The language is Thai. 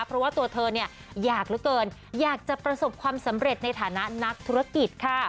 เพราะว่าตัวเธอเนี่ยอยากเหลือเกินอยากจะประสบความสำเร็จในฐานะนักธุรกิจค่ะ